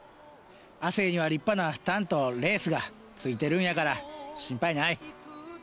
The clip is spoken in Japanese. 亜生には立派なタンとレースがついてるんやから心配ない。